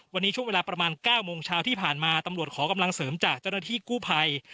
วันนี้ช่วงเวลาประมาณ๙โมงเช้าที่ผ่านมาตำรวจขอกำลังเสริมจากเจ้าหน้าที่กู้ภัย